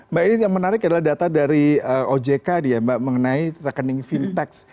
mbak ini yang menarik adalah data dari ojk ya mbak mengenai rekening fintechs